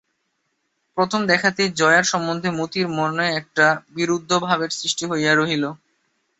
প্রথম দেখাতেই জয়ার সম্বন্ধে মতির মনে একটা বিরুদ্ধভাবের সৃষ্টি হইয়া রহিল।